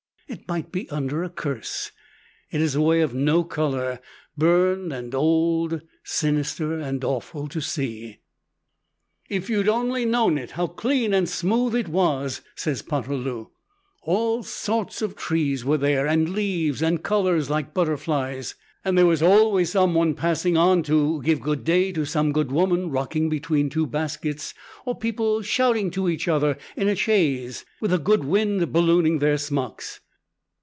It might be under a curse; it is a way of no color, burned and old, sinister and awful to see. "If you'd only known it how clean and smooth it was!" says Poterloo. "All sorts of trees were there, and leaves, and colors like butterflies; and there was always some one passing on it to give good day to some good woman rocking between two baskets, or people shouting [note 1] to each other in a chaise, with the good wind ballooning their smocks.